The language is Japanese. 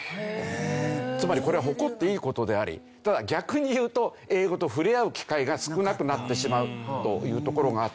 つまりこれは誇っていい事でありただ逆に言うと英語と触れ合う機会が少なくなってしまうというところがあって。